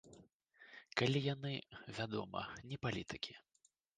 Калі яны, вядома, не палітыкі.